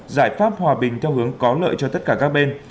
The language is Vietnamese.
giải pháp hòa bình theo hướng có lợi cho tất cả các bên